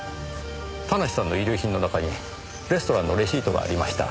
田無さんの遺留品の中にレストランのレシートがありました。